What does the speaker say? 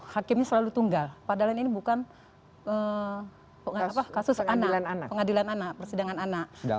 hakimnya selalu tunggal padahal ini bukan kasus anak pengadilan anak persidangan anak